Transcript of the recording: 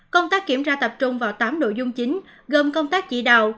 đoàn kiểm tra tập trung vào tám nội dung chính gồm công tác chỉ đạo